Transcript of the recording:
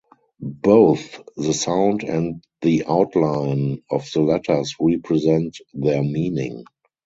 Both the sound and the outline of the letters represent their meaning.